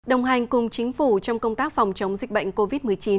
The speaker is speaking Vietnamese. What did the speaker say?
đồng hành cùng chính phủ trong công tác phòng chống dịch bệnh covid một mươi chín